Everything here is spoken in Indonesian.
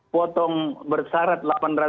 potong bersarat delapan ratus tiga puluh empat